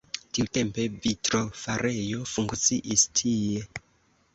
Tiutempe vitrofarejo funkciis tie.